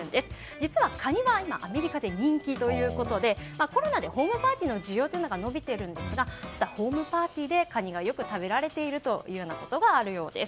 実はカニは今アメリカで人気ということでコロナでホームパーティーの需要というのが伸びているんですがホームパーティーでカニがよく食べられていることがあるようです。